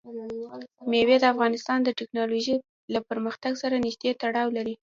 مېوې د افغانستان د تکنالوژۍ له پرمختګ سره نږدې تړاو لري.